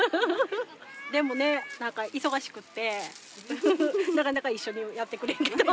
でもね何か忙しくってなかなか一緒にやってくれへんけど。